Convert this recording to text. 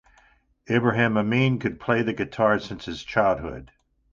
Ibrahim Emin could play the guitar since his childhood.